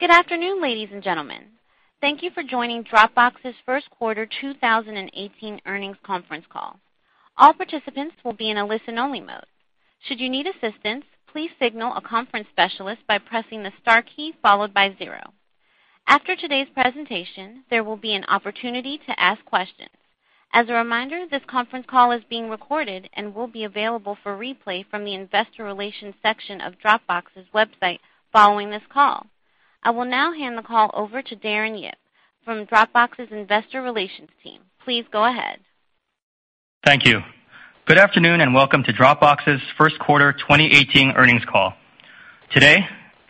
Good afternoon, ladies and gentlemen. Thank you for joining Dropbox's first quarter 2018 earnings conference call. All participants will be in a listen only mode. Should you need assistance, please signal a conference specialist by pressing the star key followed by 0. After today's presentation, there will be an opportunity to ask questions. As a reminder, this conference call is being recorded and will be available for replay from the investor relations section of Dropbox's website following this call. I will now hand the call over to Darren Yip from Dropbox's investor relations team. Please go ahead. Thank you. Good afternoon and welcome to Dropbox's first quarter 2018 earnings call. Today,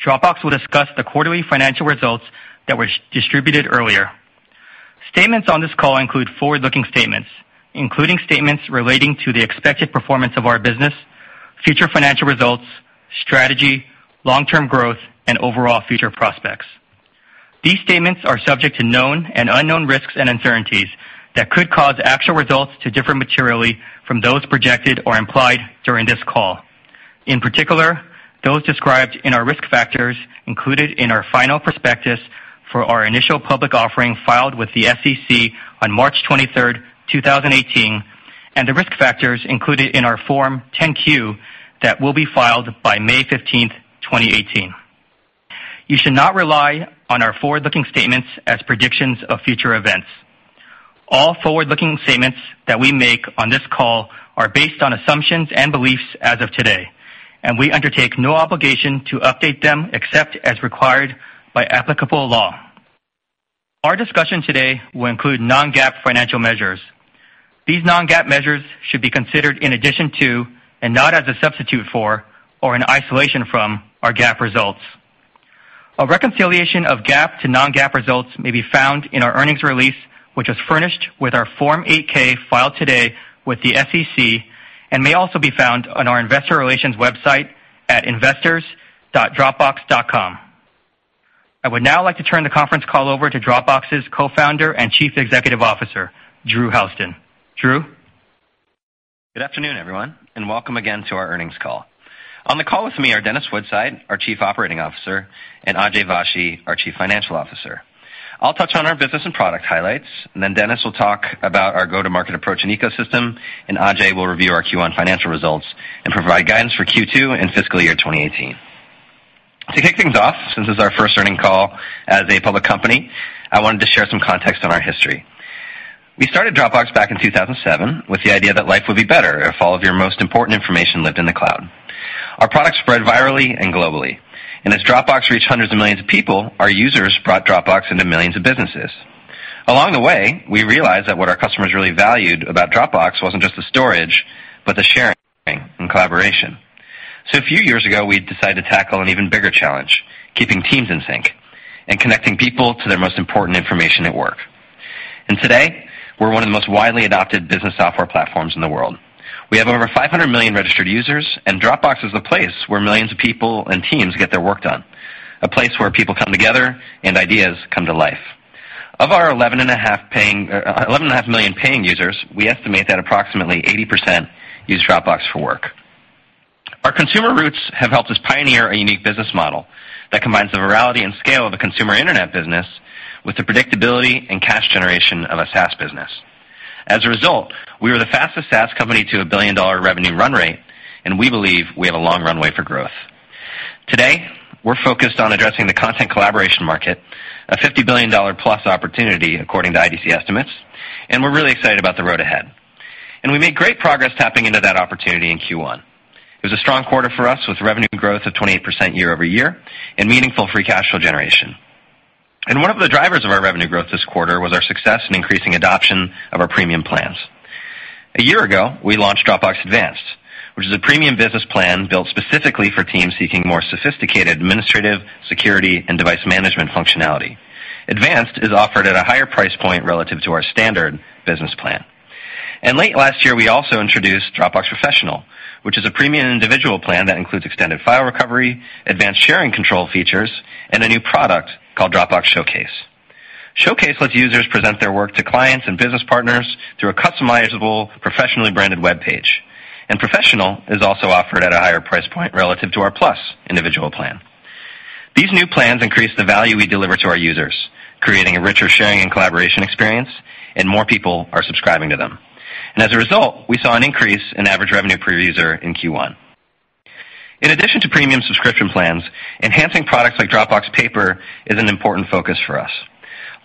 Dropbox will discuss the quarterly financial results that were distributed earlier. Statements on this call include forward-looking statements, including statements relating to the expected performance of our business, future financial results, strategy, long-term growth, and overall future prospects. These statements are subject to known and unknown risks and uncertainties that could cause actual results to differ materially from those projected or implied during this call. In particular, those described in our risk factors included in our final prospectus for our initial public offering filed with the SEC on March 23, 2018, and the risk factors included in our Form 10-Q that will be filed by May 15, 2018. You should not rely on our forward-looking statements as predictions of future events. All forward-looking statements that we make on this call are based on assumptions and beliefs as of today, and we undertake no obligation to update them except as required by applicable law. Our discussion today will include non-GAAP financial measures. These non-GAAP measures should be considered in addition to, and not as a substitute for, or in isolation from, our GAAP results. A reconciliation of GAAP to non-GAAP results may be found in our earnings release, which was furnished with our Form 8-K filed today with the SEC and may also be found on our investor relations website at investors.dropbox.com. I would now like to turn the conference call over to Dropbox's Co-founder and Chief Executive Officer, Drew Houston. Drew? Good afternoon, everyone, welcome again to our earnings call. On the call with me are Dennis Woodside, our Chief Operating Officer, and Ajay Vashee, our Chief Financial Officer. I'll touch on our business and product highlights, then Dennis will talk about our go-to-market approach and ecosystem, Ajay will review our Q1 financial results and provide guidance for Q2 and fiscal year 2018. To kick things off, since this is our first earnings call as a public company, I wanted to share some context on our history. We started Dropbox back in 2007 with the idea that life would be better if all of your most important information lived in the cloud. Our product spread virally and globally, and as Dropbox reached hundreds of millions of people, our users brought Dropbox into millions of businesses. Along the way, we realized that what our customers really valued about Dropbox wasn't just the storage, but the sharing and collaboration. A few years ago, we decided to tackle an even bigger challenge, keeping teams in sync and connecting people to their most important information at work. Today, we're one of the most widely adopted business software platforms in the world. We have over 500 million registered users, and Dropbox is the place where millions of people and teams get their work done, a place where people come together and ideas come to life. Of our 11.5 million paying users, we estimate that approximately 80% use Dropbox for work. Our consumer roots have helped us pioneer a unique business model that combines the virality and scale of a consumer internet business with the predictability and cash generation of a SaaS business. As a result, we were the fastest SaaS company to a billion-dollar revenue run rate, we believe we have a long runway for growth. Today, we're focused on addressing the content collaboration market, a $50 billion-plus opportunity according to IDC estimates, we're really excited about the road ahead. We made great progress tapping into that opportunity in Q1. It was a strong quarter for us with revenue growth of 28% year-over-year and meaningful free cash flow generation. One of the drivers of our revenue growth this quarter was our success in increasing adoption of our premium plans. A year ago, we launched Dropbox Advanced, which is a premium business plan built specifically for teams seeking more sophisticated administrative, security, and device management functionality. Advanced is offered at a higher price point relative to our standard business plan. Late last year, we also introduced Dropbox Professional, which is a premium individual plan that includes extended file recovery, advanced sharing control features, and a new product called Dropbox Showcase. Showcase lets users present their work to clients and business partners through a customizable, professionally branded webpage. Professional is also offered at a higher price point relative to our Plus individual plan. These new plans increase the value we deliver to our users, creating a richer sharing and collaboration experience, and more people are subscribing to them. As a result, we saw an increase in average revenue per user in Q1. In addition to premium subscription plans, enhancing products like Dropbox Paper is an important focus for us.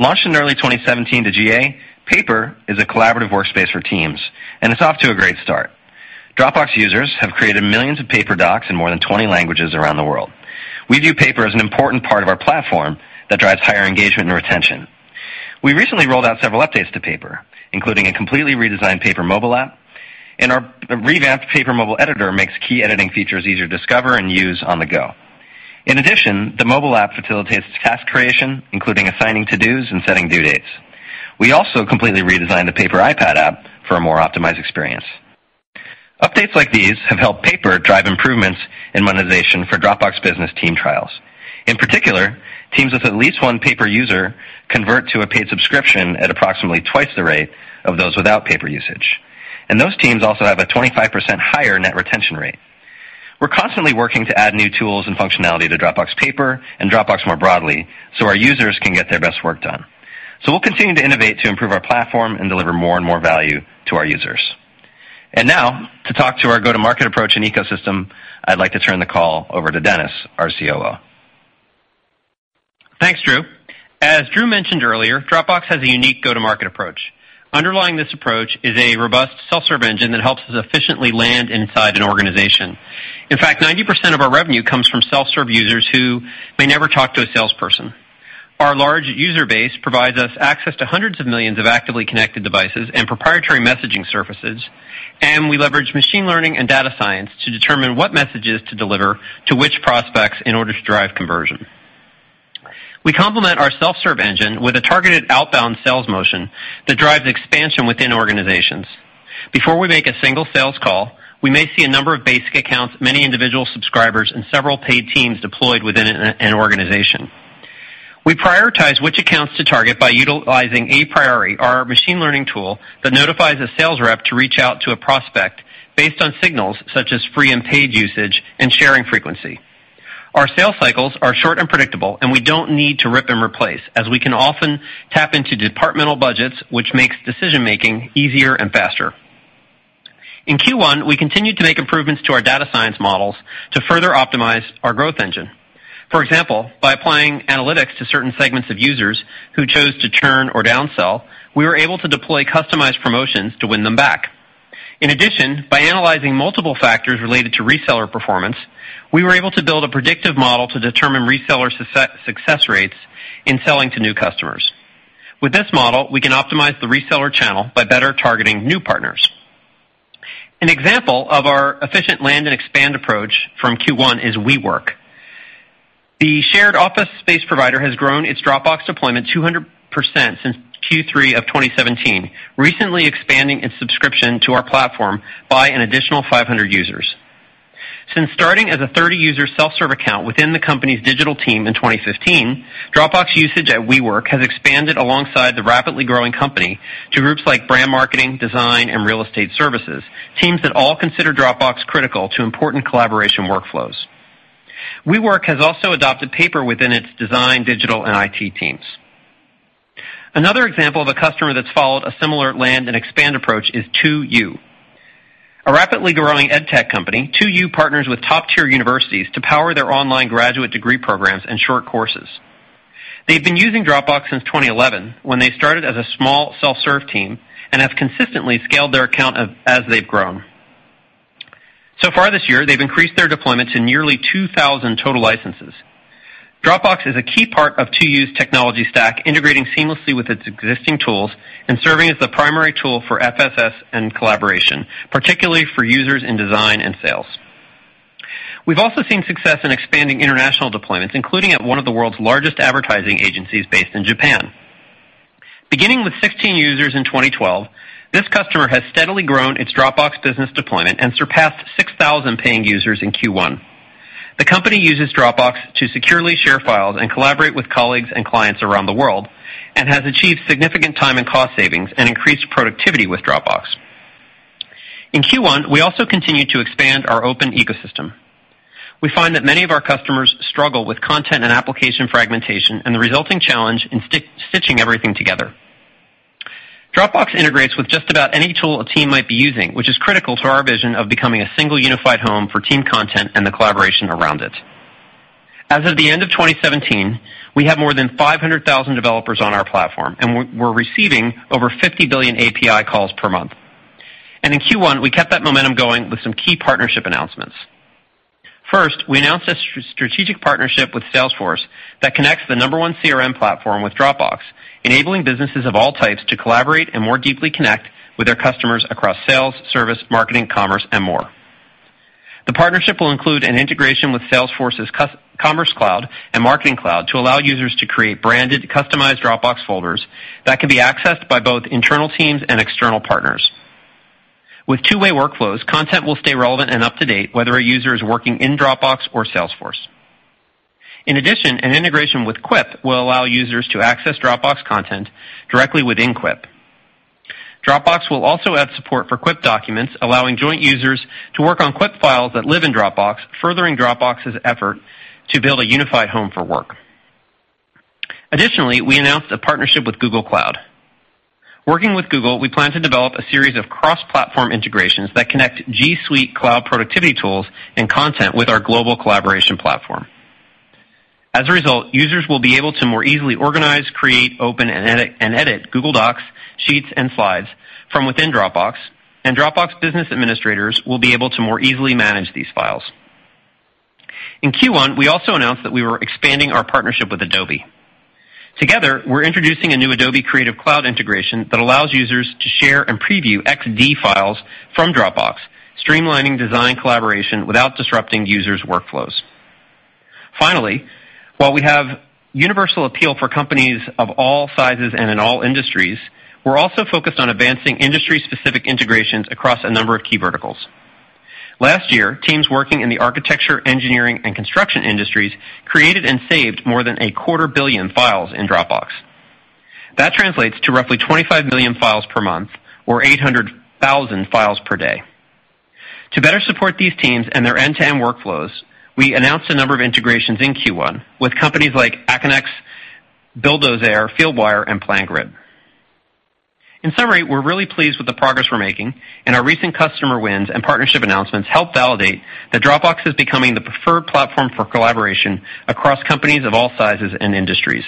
Launched in early 2017 to GA, Paper is a collaborative workspace for teams, and it's off to a great start. Dropbox users have created millions of Paper docs in more than 20 languages around the world. We view Paper as an important part of our platform that drives higher engagement and retention. We recently rolled out several updates to Paper, including a completely redesigned Paper mobile app. Our revamped Paper mobile editor makes key editing features easier to discover and use on the go. In addition, the mobile app facilitates task creation, including assigning to-dos and setting due dates. We also completely redesigned the Paper iPad app for a more optimized experience. Updates like these have helped Paper drive improvements in monetization for Dropbox Business team trials. In particular, teams with at least one Paper user convert to a paid subscription at approximately twice the rate of those without Paper usage. Those teams also have a 25% higher net retention rate. We're constantly working to add new tools and functionality to Dropbox Paper and Dropbox more broadly so our users can get their best work done. We'll continue to innovate to improve our platform and deliver more and more value to our users. Now, to talk to our go-to-market approach and ecosystem, I'd like to turn the call over to Dennis, our COO. Thanks, Drew. As Drew mentioned earlier, Dropbox has a unique go-to-market approach. Underlying this approach is a robust self-serve engine that helps us efficiently land inside an organization. In fact, 90% of our revenue comes from self-serve users who may never talk to a salesperson. Our large user base provides us access to hundreds of millions of actively connected devices and proprietary messaging services. We leverage machine learning and data science to determine what messages to deliver to which prospects in order to drive conversion. We complement our self-serve engine with a targeted outbound sales motion that drives expansion within organizations. Before we make a single sales call, we may see a number of basic accounts, many individual subscribers, and several paid teams deployed within an organization. We prioritize which accounts to target by utilizing A Priori, our machine learning tool, that notifies a sales rep to reach out to a prospect based on signals such as free and paid usage and sharing frequency. Our sales cycles are short and predictable. We don't need to rip and replace, as we can often tap into departmental budgets, which makes decision-making easier and faster. In Q1, we continued to make improvements to our data science models to further optimize our growth engine. For example, by applying analytics to certain segments of users who chose to churn or downsell, we were able to deploy customized promotions to win them back. In addition, by analyzing multiple factors related to reseller performance, we were able to build a predictive model to determine reseller success rates in selling to new customers. With this model, we can optimize the reseller channel by better targeting new partners. An example of our efficient land and expand approach from Q1 is WeWork. The shared office space provider has grown its Dropbox deployment 200% since Q3 of 2017, recently expanding its subscription to our platform by an additional 500 users. Since starting as a 30-user self-serve account within the company's digital team in 2015, Dropbox usage at WeWork has expanded alongside the rapidly growing company to groups like brand marketing, design, and real estate services, teams that all consider Dropbox critical to important collaboration workflows. WeWork has also adopted Paper within its design, digital, and IT teams. Another example of a customer that's followed a similar land-and-expand approach is 2U. A rapidly growing edtech company, 2U partners with top-tier universities to power their online graduate degree programs and short courses. They've been using Dropbox since 2011, when they started as a small self-serve team, and have consistently scaled their account as they've grown. So far this year, they've increased their deployment to nearly 2,000 total licenses. Dropbox is a key part of 2U's technology stack, integrating seamlessly with its existing tools and serving as the primary tool for FSS and collaboration, particularly for users in design and sales. We've also seen success in expanding international deployments, including at one of the world's largest advertising agencies based in Japan. Beginning with 16 users in 2012, this customer has steadily grown its Dropbox Business deployment and surpassed 6,000 paying users in Q1. The company uses Dropbox to securely share files and collaborate with colleagues and clients around the world and has achieved significant time and cost savings and increased productivity with Dropbox. In Q1, we also continued to expand our open ecosystem. We find that many of our customers struggle with content and application fragmentation and the resulting challenge in stitching everything together. Dropbox integrates with just about any tool a team might be using, which is critical to our vision of becoming a single unified home for team content and the collaboration around it. As of the end of 2017, we have more than 500,000 developers on our platform, and we're receiving over 50 billion API calls per month. In Q1, we kept that momentum going with some key partnership announcements. First, we announced a strategic partnership with Salesforce that connects the number one CRM platform with Dropbox, enabling businesses of all types to collaborate and more deeply connect with their customers across sales, service, marketing, commerce, and more. The partnership will include an integration with Salesforce's Commerce Cloud and Marketing Cloud to allow users to create branded, customized Dropbox folders that can be accessed by both internal teams and external partners. With two-way workflows, content will stay relevant and up-to-date, whether a user is working in Dropbox or Salesforce. In addition, an integration with Quip will allow users to access Dropbox content directly within Quip. Dropbox will also add support for Quip documents, allowing joint users to work on Quip files that live in Dropbox, furthering Dropbox's effort to build a unified home for work. Additionally, we announced a partnership with Google Cloud. Working with Google, we plan to develop a series of cross-platform integrations that connect G Suite cloud productivity tools and content with our global collaboration platform. As a result, users will be able to more easily organize, create, open, and edit Google Docs, Sheets, and Slides from within Dropbox, and Dropbox Business administrators will be able to more easily manage these files. In Q1, we also announced that we were expanding our partnership with Adobe. Together, we're introducing a new Adobe Creative Cloud integration that allows users to share and preview Adobe XD files from Dropbox, streamlining design collaboration without disrupting users' workflows. Finally, while we have universal appeal for companies of all sizes and in all industries, we're also focused on advancing industry-specific integrations across a number of key verticals. Last year, teams working in the architecture, engineering, and construction industries created and saved more than a quarter billion files in Dropbox. That translates to roughly 25 million files per month or 800,000 files per day. To better support these teams and their end-to-end workflows, we announced a number of integrations in Q1 with companies like Aconex, Buildr, Fieldwire, and PlanGrid. In summary, we're really pleased with the progress we're making, and our recent customer wins and partnership announcements help validate that Dropbox is becoming the preferred platform for collaboration across companies of all sizes and industries.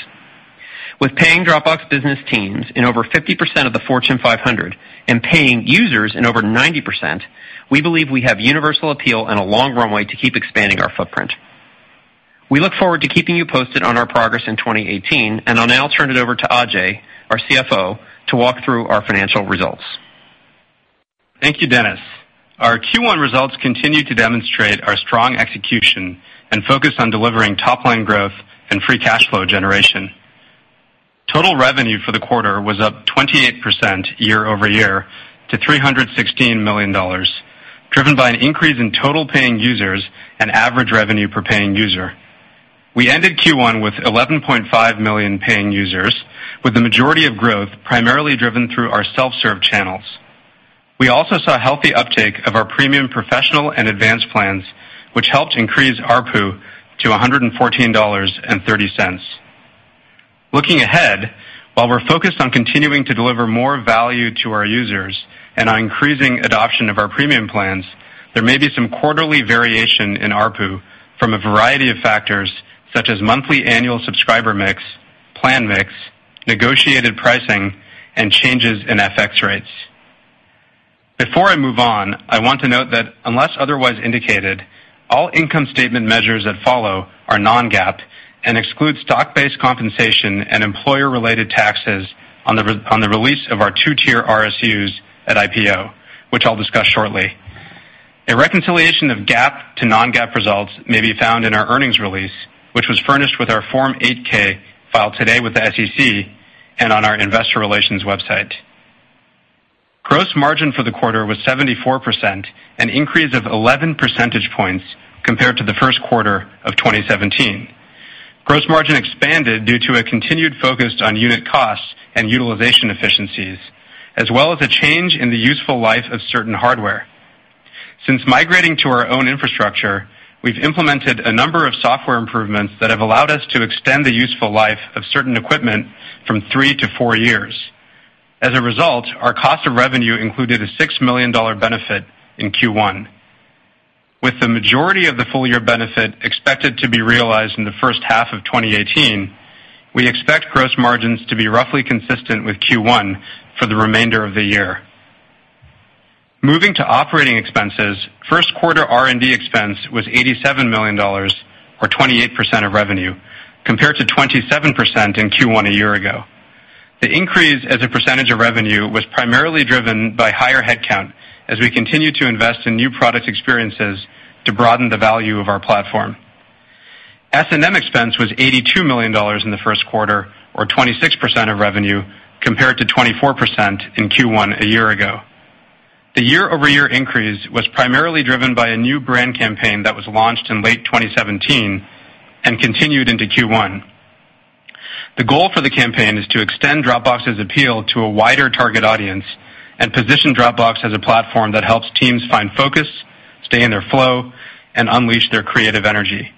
With paying Dropbox Business teams in over 50% of the Fortune 500 and paying users in over 90%, we believe we have universal appeal and a long runway to keep expanding our footprint. We look forward to keeping you posted on our progress in 2018, and I'll now turn it over to Ajay, our CFO, to walk through our financial results. Thank you, Dennis. Our Q1 results continue to demonstrate our strong execution and focus on delivering top-line growth and free cash flow generation. Total revenue for the quarter was up 28% year-over-year to $316 million, driven by an increase in total paying users and average revenue per paying user. We ended Q1 with 11.5 million paying users, with the majority of growth primarily driven through our self-serve channels. We also saw healthy uptake of our premium Professional and Advanced plans, which helped increase ARPU to $114.30. Looking ahead, while we're focused on continuing to deliver more value to our users and on increasing adoption of our premium plans, there may be some quarterly variation in ARPU from a variety of factors such as monthly annual subscriber mix, plan mix, negotiated pricing, and changes in FX rates. Before I move on, I want to note that unless otherwise indicated, all income statement measures that follow are non-GAAP and exclude stock-based compensation and employer-related taxes on the release of our two-tier RSUs at IPO, which I'll discuss shortly. A reconciliation of GAAP to non-GAAP results may be found in our earnings release, which was furnished with our Form 8-K filed today with the SEC and on our investor relations website. Gross margin for the quarter was 74%, an increase of 11 percentage points compared to the first quarter of 2017. Gross margin expanded due to a continued focus on unit costs and utilization efficiencies, as well as a change in the useful life of certain hardware. Since migrating to our own infrastructure, we've implemented a number of software improvements that have allowed us to extend the useful life of certain equipment from three to four years. As a result, our cost of revenue included a $6 million benefit in Q1. With the majority of the full-year benefit expected to be realized in the first half of 2018, we expect gross margins to be roughly consistent with Q1 for the remainder of the year. Moving to operating expenses, first quarter R&D expense was $87 million, or 28% of revenue, compared to 27% in Q1 a year ago. The increase as a percentage of revenue was primarily driven by higher headcount as we continue to invest in new product experiences to broaden the value of our platform. S&M expense was $82 million in the first quarter, or 26% of revenue, compared to 24% in Q1 a year ago. The year-over-year increase was primarily driven by a new brand campaign that was launched in late 2017 and continued into Q1. The goal for the campaign is to extend Dropbox's appeal to a wider target audience and position Dropbox as a platform that helps teams find focus, stay in their flow, and unleash their creative energy.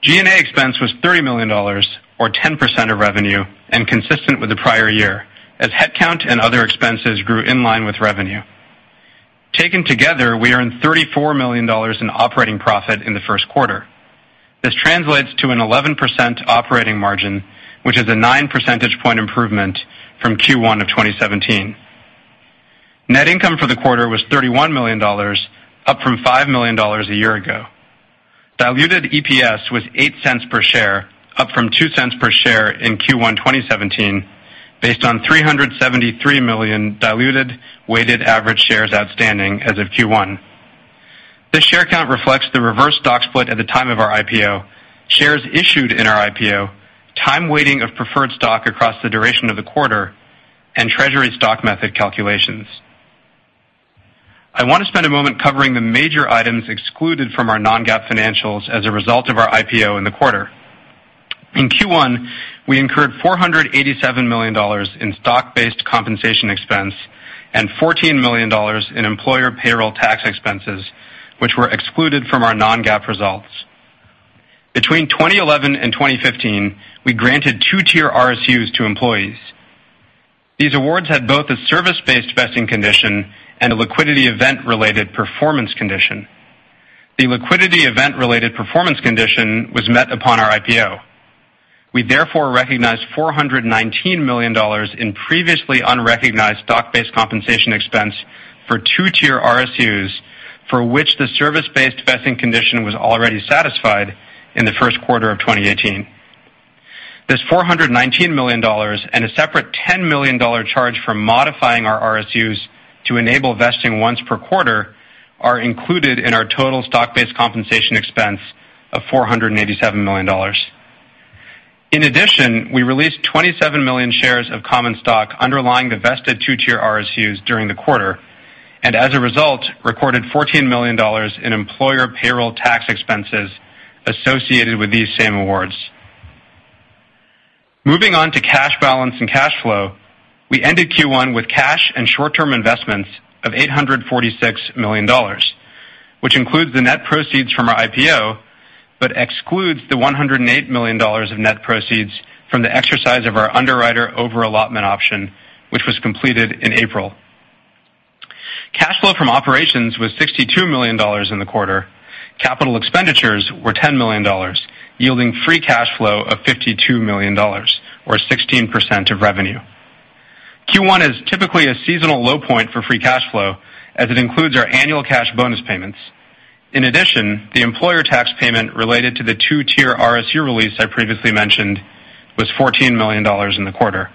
G&A expense was $30 million, or 10% of revenue, and consistent with the prior year, as headcount and other expenses grew in line with revenue. Taken together, we earned $34 million in operating profit in the first quarter. This translates to an 11% operating margin, which is a nine percentage point improvement from Q1 of 2017. Net income for the quarter was $31 million, up from $5 million a year ago. Diluted EPS was $0.08 per share, up from $0.02 per share in Q1 2017, based on 373 million diluted weighted average shares outstanding as of Q1. This share count reflects the reverse stock split at the time of our IPO, shares issued in our IPO, time weighting of preferred stock across the duration of the quarter, and treasury stock method calculations. I want to spend a moment covering the major items excluded from our non-GAAP financials as a result of our IPO in the quarter. In Q1, we incurred $487 million in stock-based compensation expense and $14 million in employer payroll tax expenses, which were excluded from our non-GAAP results. Between 2011 and 2015, we granted two-tier RSUs to employees. These awards had both a service-based vesting condition and a liquidity event-related performance condition. The liquidity event-related performance condition was met upon our IPO. We therefore recognized $419 million in previously unrecognized stock-based compensation expense for two-tier RSUs, for which the service-based vesting condition was already satisfied in the first quarter of 2018. This $419 million and a separate $10 million charge for modifying our RSUs to enable vesting once per quarter are included in our total stock-based compensation expense of $487 million. In addition, we released 27 million shares of common stock underlying the vested two-tier RSUs during the quarter, and as a result, recorded $14 million in employer payroll tax expenses associated with these same awards. Moving on to cash balance and cash flow, we ended Q1 with cash and short-term investments of $846 million, which includes the net proceeds from our IPO, but excludes the $108 million of net proceeds from the exercise of our underwriter over-allotment option, which was completed in April. Cash flow from operations was $62 million in the quarter. Capital expenditures were $10 million, yielding free cash flow of $52 million, or 16% of revenue. Q1 is typically a seasonal low point for free cash flow, as it includes our annual cash bonus payments. In addition, the employer tax payment related to the two-tier RSU release I previously mentioned was $14 million in the quarter.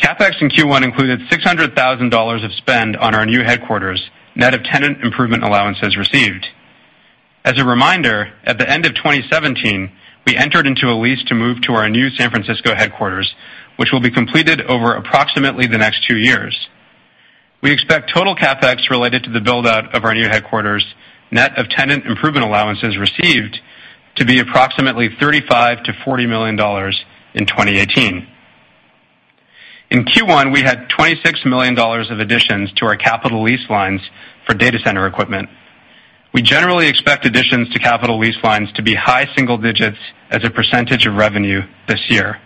CapEx in Q1 included $600,000 of spend on our new headquarters, net of tenant improvement allowances received. As a reminder, at the end of 2017, we entered into a lease to move to our new San Francisco headquarters, which will be completed over approximately the next two years. We expect total CapEx related to the build-out of our new headquarters, net of tenant improvement allowances received, to be approximately $35 million-$40 million in 2018. In Q1, we had $26 million of additions to our capital lease lines for data center equipment. We generally expect additions to capital lease lines to be high single digits as a percentage of revenue this year.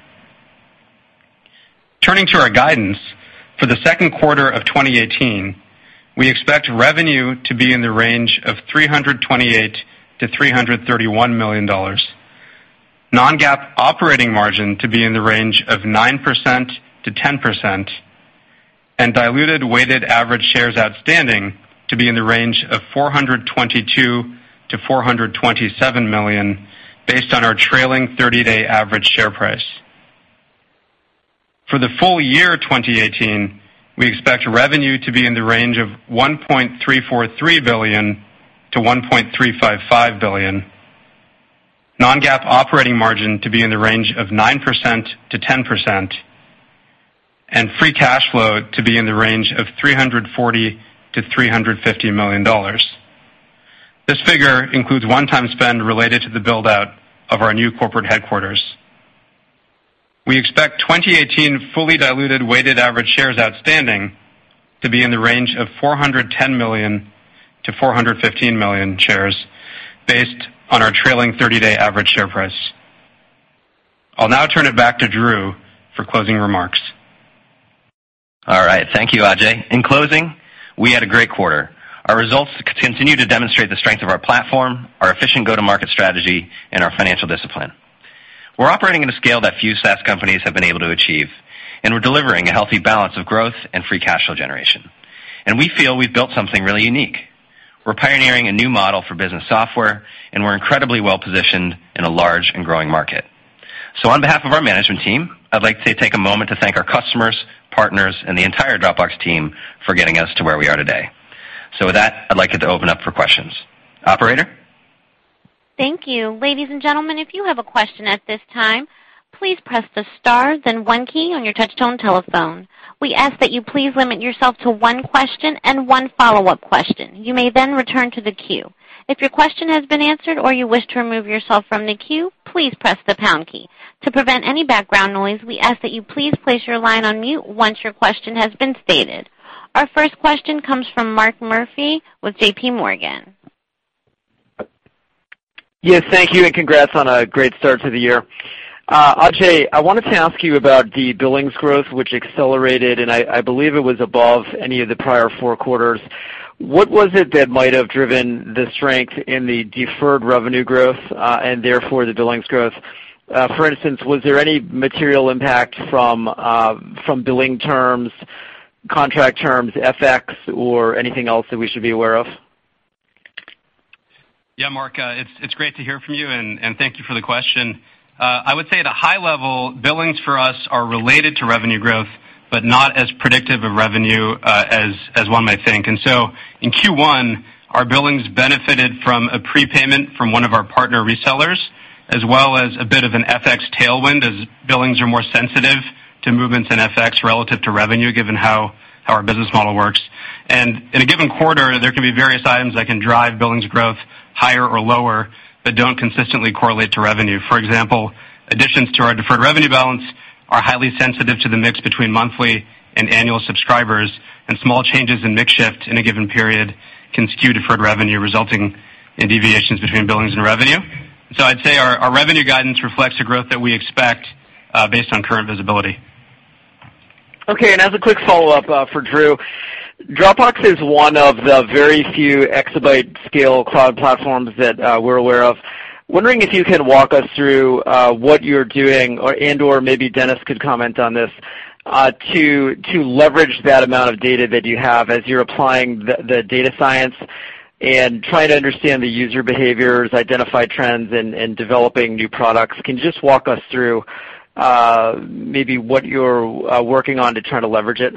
Turning to our guidance, for the second quarter of 2018, we expect revenue to be in the range of $328 million-$331 million, non-GAAP operating margin to be in the range of 9%-10%, and diluted weighted average shares outstanding to be in the range of 422 million-427 million based on our trailing 30-day average share price. For the full year 2018, we expect revenue to be in the range of $1.343 billion-$1.355 billion, non-GAAP operating margin to be in the range of 9%-10%, and free cash flow to be in the range of $340 million-$350 million. This figure includes one-time spend related to the build-out of our new corporate headquarters. We expect 2018 fully diluted weighted average shares outstanding to be in the range of 410 million-415 million shares based on our trailing 30-day average share price. I'll now turn it back to Drew for closing remarks. All right. Thank you, Ajay. In closing, we had a great quarter. Our results continue to demonstrate the strength of our platform, our efficient go-to-market strategy, and our financial discipline. We're operating at a scale that few SaaS companies have been able to achieve, and we're delivering a healthy balance of growth and free cash flow generation. We feel we've built something really unique. We're pioneering a new model for business software, and we're incredibly well-positioned in a large and growing market. On behalf of our management team, I'd like to take a moment to thank our customers, partners, and the entire Dropbox team for getting us to where we are today. With that, I'd like you to open up for questions. Operator? Thank you. Ladies and gentlemen, if you have a question at this time, please press the star then one key on your touch-tone telephone. We ask that you please limit yourself to one question and one follow-up question. You may then return to the queue. If your question has been answered or you wish to remove yourself from the queue, please press the pound key. To prevent any background noise, we ask that you please place your line on mute once your question has been stated. Our first question comes from Mark Murphy with JPMorgan. Yes, thank you, and congrats on a great start to the year. Ajay, I wanted to ask you about the billings growth, which accelerated, and I believe it was above any of the prior four quarters. What was it that might have driven the strength in the deferred revenue growth, and therefore the billings growth? For instance, was there any material impact from billing terms, contract terms, FX, or anything else that we should be aware of? Yeah, Mark, it's great to hear from you, and thank you for the question. I would say at a high level, billings for us are related to revenue growth, but not as predictive of revenue as one might think. In Q1, our billings benefited from a prepayment from one of our partner resellers, as well as a bit of an FX tailwind, as billings are more sensitive to movements in FX relative to revenue, given how our business model works. In a given quarter, there can be various items that can drive billings growth higher or lower, but don't consistently correlate to revenue. For example, additions to our deferred revenue balance are highly sensitive to the mix between monthly and annual subscribers, and small changes in mix shift in a given period can skew deferred revenue, resulting in deviations between billings and revenue. I'd say our revenue guidance reflects the growth that we expect based on current visibility. Okay, as a quick follow-up for Drew, Dropbox is one of the very few exabyte-scale cloud platforms that we're aware of. Wondering if you can walk us through what you're doing, and/or maybe Dennis could comment on this, to leverage that amount of data that you have as you're applying the data science and trying to understand the user behaviors, identify trends and developing new products. Can you just walk us through maybe what you're working on to try to leverage it?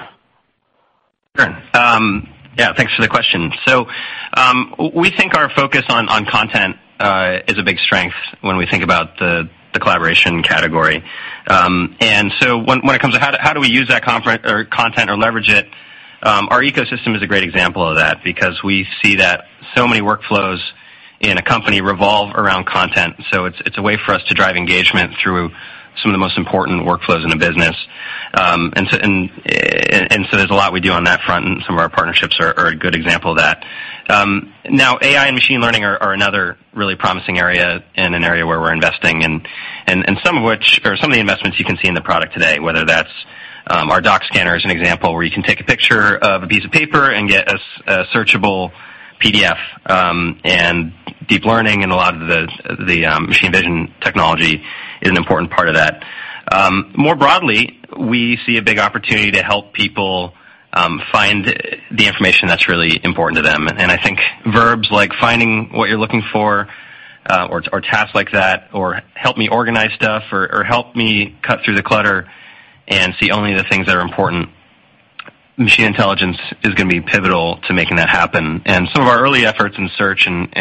Sure. Yeah, thanks for the question. We think our focus on content is a big strength when we think about the collaboration category. When it comes to how do we use that content or leverage it, our ecosystem is a great example of that because we see that so many workflows in a company revolve around content. It's a way for us to drive engagement through some of the most important workflows in a business. There's a lot we do on that front, and some of our partnerships are a good example of that. Now, AI and machine learning are another really promising area and an area where we're investing, and some of the investments you can see in the product today, whether that's our doc scanner is an example, where you can take a picture of a piece of paper and get a searchable PDF, and deep learning and a lot of the machine vision technology is an important part of that. More broadly, we see a big opportunity to help people find the information that's really important to them. I think verbs like finding what you're looking for, or tasks like that, or help me organize stuff, or help me cut through the clutter and see only the things that are important. Machine intelligence is going to be pivotal to making that happen. Some of our early efforts in search and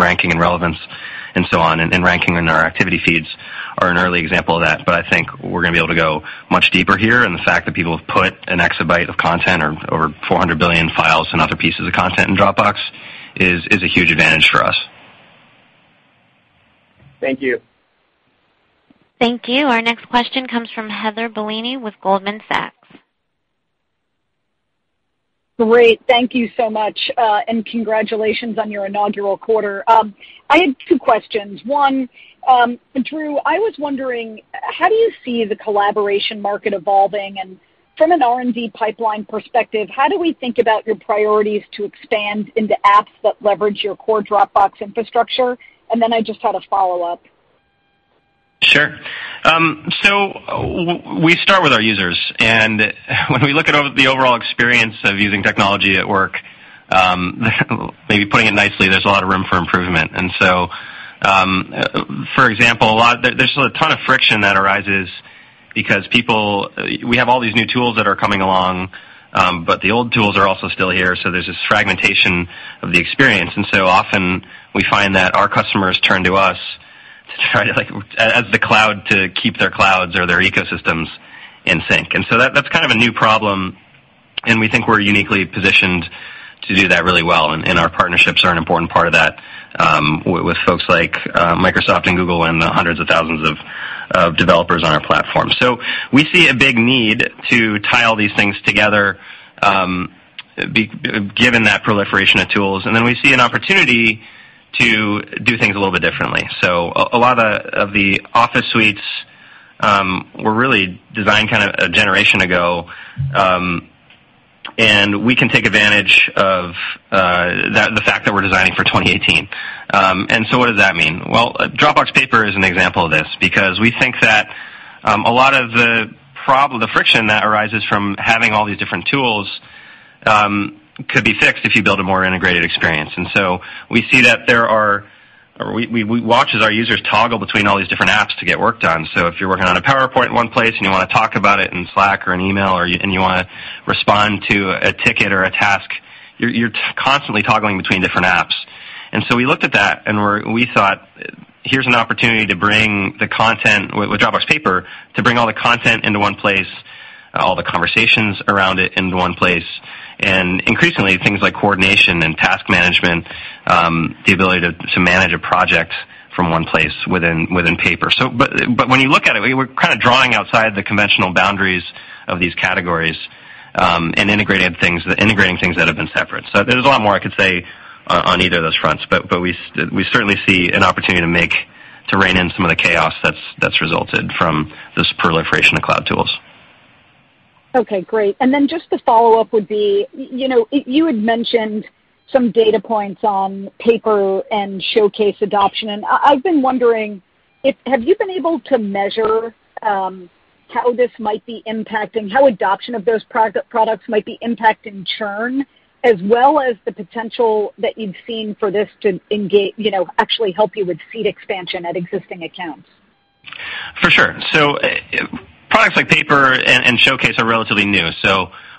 ranking and relevance and so on, and ranking in our activity feeds are an early example of that. I think we're going to be able to go much deeper here. The fact that people have put an exabyte of content or 400 billion files and other pieces of content in Dropbox is a huge advantage for us. Thank you. Thank you. Our next question comes from Heather Bellini with Goldman Sachs. Great. Thank you so much, and congratulations on your inaugural quarter. I had two questions. One, Drew, I was wondering, how do you see the collaboration market evolving? From an R&D pipeline perspective, how do we think about your priorities to expand into apps that leverage your core Dropbox infrastructure? I just had a follow-up. Sure. We start with our users, and when we look at the overall experience of using technology at work, maybe putting it nicely, there's a lot of room for improvement. For example, there's a ton of friction that arises because we have all these new tools that are coming along, but the old tools are also still here, so there's this fragmentation of the experience. Often we find that our customers turn to us as the cloud to keep their clouds or their ecosystems in sync. That's kind of a new problem, and we think we're uniquely positioned to do that really well, and our partnerships are an important part of that, with folks like Microsoft and Google and the hundreds of thousands of developers on our platform. We see a big need to tie all these things together given that proliferation of tools, and then we see an opportunity to do things a little bit differently. A lot of the Office suites were really designed a generation ago, and we can take advantage of the fact that we're designing for 2018. What does that mean? Well, Dropbox Paper is an example of this because we think that a lot of the friction that arises from having all these different tools could be fixed if you build a more integrated experience. We watch as our users toggle between all these different apps to get work done. If you're working on a PowerPoint in one place and you want to talk about it in Slack or an email, you want to respond to a ticket or a task, you're constantly toggling between different apps. We looked at that, and we thought, here's an opportunity, with Dropbox Paper, to bring all the content into one place, all the conversations around it into one place, and increasingly, things like coordination and task management, the ability to manage a project from one place within Paper. When you look at it, we're kind of drawing outside the conventional boundaries of these categories, and integrating things that have been separate. There's a lot more I could say on either of those fronts, we certainly see an opportunity to rein in some of the chaos that's resulted from this proliferation of cloud tools. Okay, great. Just the follow-up would be, you had mentioned some data points on Paper and Showcase adoption, I've been wondering, have you been able to measure how adoption of those products might be impacting churn, as well as the potential that you've seen for this to actually help you with seed expansion at existing accounts? For sure. Products like Paper and Showcase are relatively new.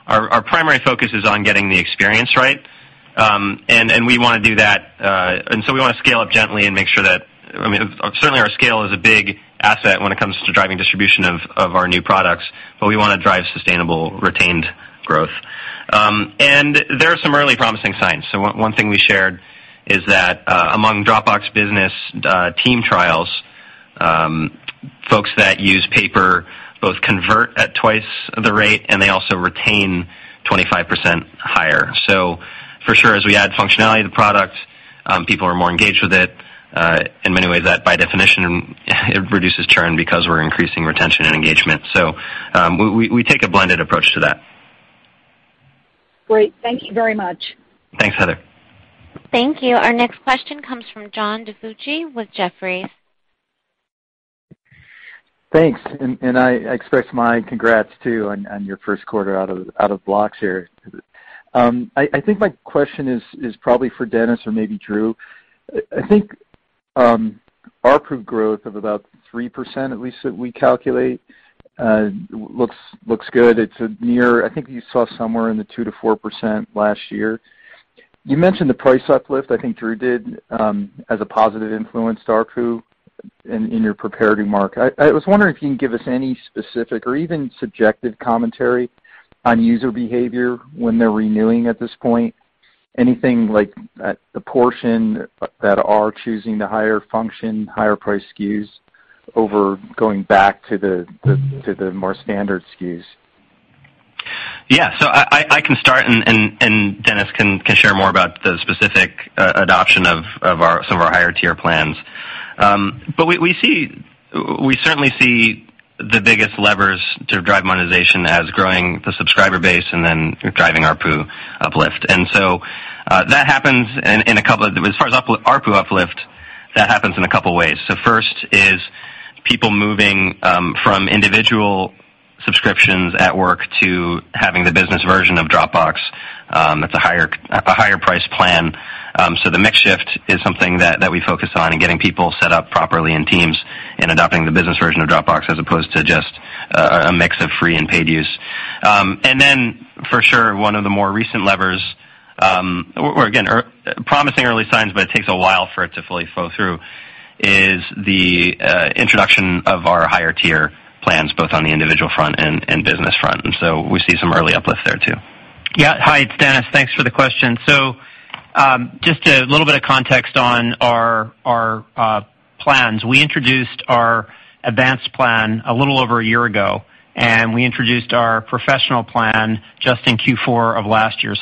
Our primary focus is on getting the experience right, so we want to scale up gently and make sure that-- certainly our scale is a big asset when it comes to driving distribution of our new products, but we want to drive sustainable retained growth. There are some early promising signs. One thing we shared is that among Dropbox Business team trials, folks that use Paper both convert at twice the rate, and they also retain 25% higher. For sure, as we add functionality to the product, people are more engaged with it. In many ways, by definition, it reduces churn because we're increasing retention and engagement. We take a blended approach to that. Great. Thank you very much. Thanks, Heather. Thank you. Our next question comes from John DiFucci with Jefferies. I express my congrats, too, on your first quarter out of blocks here. I think my question is probably for Dennis or maybe Drew. I think ARPU growth of about 3%, at least that we calculate, looks good. It's near, I think you saw somewhere in the 2%-4% last year. You mentioned the price uplift, I think Drew did, as a positive influence to ARPU in your prepared remark. I was wondering if you can give us any specific or even subjective commentary on user behavior when they're renewing at this point. Anything like the portion that are choosing the higher function, higher price SKUs over going back to the more standard SKUs? Yeah. I can start, and Dennis can share more about the specific adoption of some of our higher-tier plans. We certainly see the biggest levers to drive monetization as growing the subscriber base and then driving ARPU uplift. As far as ARPU uplift, that happens in a couple of ways. First is people moving from individual subscriptions at work to having the business version of Dropbox, that's a higher price plan. The mix shift is something that we focus on in getting people set up properly in teams and adopting the business version of Dropbox as opposed to just a mix of free and paid use. One of the more recent levers, or again, promising early signs, but it takes a while for it to fully flow through, is the introduction of our higher-tier plans, both on the individual front and business front. We see some early uplifts there too. Yeah. Hi, it's Dennis. Thanks for the question. Just a little bit of context on our plans. We introduced our Dropbox Advanced plan a little over a year ago, and we introduced our Dropbox Professional plan just in Q4 of last year.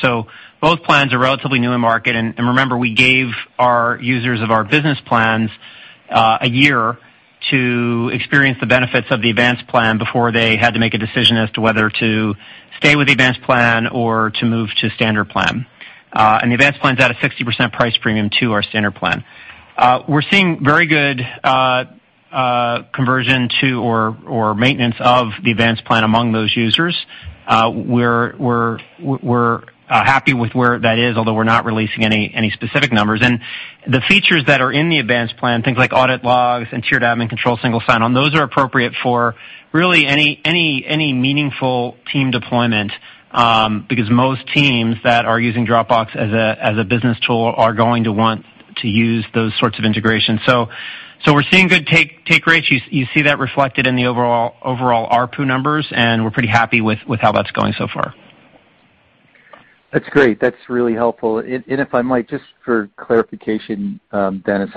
Both plans are relatively new in market, and remember, we gave our users of our Dropbox Business plans a year to experience the benefits of the Dropbox Advanced plan before they had to make a decision as to whether to stay with the Dropbox Advanced plan or to move to standard plan. The Dropbox Advanced's at a 60% price premium to our standard plan. We're seeing very good conversion to or maintenance of the Dropbox Advanced plan among those users. We're happy with where that is, although we're not releasing any specific numbers. The features that are in the Dropbox Advanced plan, things like audit logs and tiered admin control, single sign-on, those are appropriate for really any meaningful team deployment, because most teams that are using Dropbox as a business tool are going to want to use those sorts of integrations. We're seeing good take rates. You see that reflected in the overall ARPU numbers, and we're pretty happy with how that's going so far. That's great. That's really helpful. If I might, just for clarification, Dennis,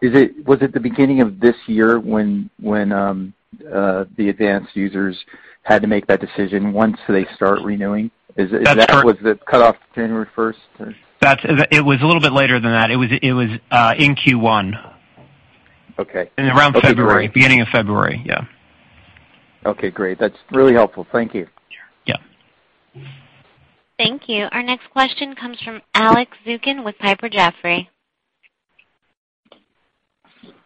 was it the beginning of this year when the Dropbox Advanced users had to make that decision once they start renewing? That's correct. Was the cutoff January 1st? It was a little bit later than that. It was in Q1. Okay. Around February. Beginning of February, yeah. Okay, great. That's really helpful. Thank you. Sure. Yeah. Thank you. Our next question comes from Alex Zukin with Piper Jaffray.